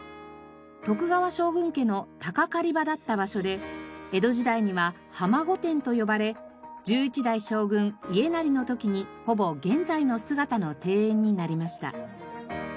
徳川将軍家の鷹狩場だった場所で江戸時代には浜御殿と呼ばれ１１代将軍家斉の時にほぼ現在の姿の庭園になりました。